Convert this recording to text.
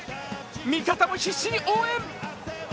味方も必死に応援。